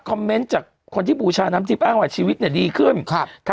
คอมเม้็นท์จากคนที่บูชานำดิบอ้าวหวาดชีวิตเนี่ยดีขึ้นครับ